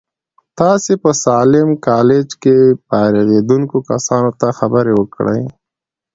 تاسې په ساليم کالج کې فارغېدونکو کسانو ته خبرې وکړې.